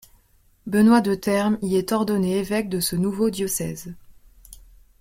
Benoît de Termes y est ordonné évêque de ce nouveau diocèse.